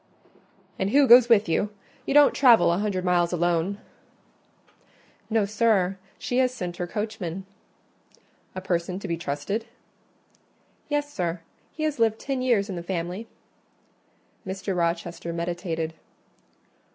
"And who goes with you? You don't travel a hundred miles alone." "No, sir, she has sent her coachman." "A person to be trusted?" "Yes, sir, he has lived ten years in the family." Mr. Rochester meditated.